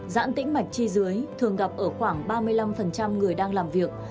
giãn tĩnh mạch chi dưới thường gặp ở khoảng ba mươi năm người đang làm việc